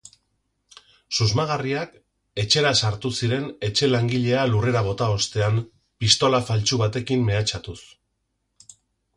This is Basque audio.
Susmagarriak etxera sartu ziren etxe-langilea lurrera bota ostean, pistola faltsu batekin mehatxatuz.